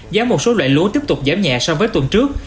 giá một số loại lúa tiếp tục giảm nhẹ so với tuần trước